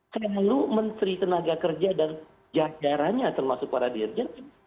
selalu menteri tenaga kerja dan jajarannya termasuk para dirjen